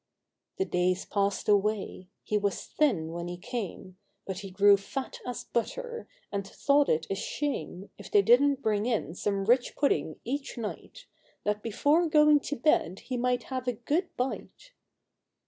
121 The days passed away ; he was thin when he came, But he grew fat as butter, and thought it a shame If they didn't bring in some rich pudding each night, That before going to bed he might have a good bite.